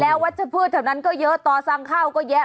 แล้ววัชเตอร์พืชเท่านั้นก็เยอะต่อสร้างข้าก็เยอะ